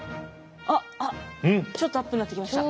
あっちょっとアップになってきました。